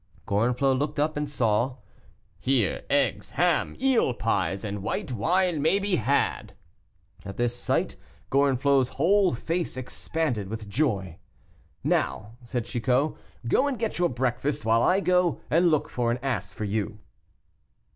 Gorenflot looked up, and saw, "Here eggs, ham, eel pies, and white wine may be had!" At this sight, Gorenflot's whole face expanded with joy. "Now," said Chicot, "go and get your breakfast, while I go and look for an ass for you."